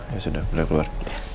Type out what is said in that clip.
ya sudah boleh keluar